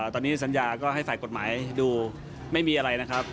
ตอนนี้สัญญาก็ให้ฝ่ายกฎหมายดูไม่มีอะไรนะครับ